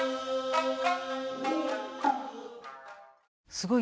すごい。